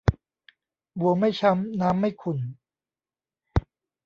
บัวไม่ช้ำ น้ำไม่ขุ่น